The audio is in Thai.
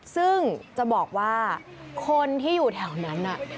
ซึ่งจะบอกว่าคนที่อยู่แถวนั้น